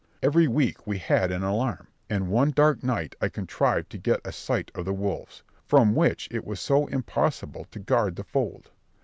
Every week we had an alarm; and one dark night I contrived to get a sight of the wolves, from which it was so impossible to guard the fold.